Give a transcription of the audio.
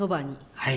はい。